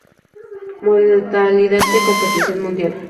Modalidad de competición mundial.